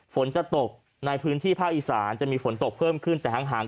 ฝนจะตกในพื้นที่ภาคอีสานจะมีฝนตกเพิ่มขึ้นแต่ห่าง